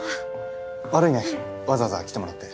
悪いねわざわざ来てもらって。